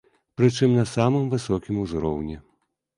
Прычым на самым высокім узроўні.